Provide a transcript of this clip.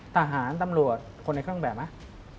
ทหารตำรวจคนในเครื่องแบบไหม